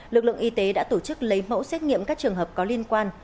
lực lượng y tế đã tổ chức lấy mẫu xét nghiệm các trường hợp có liên quan